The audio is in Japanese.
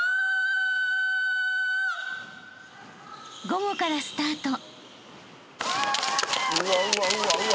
［午後からスタート］